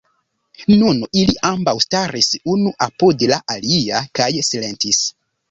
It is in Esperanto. Nun ili ambaŭ staris unu apud la alia, kaj silentis.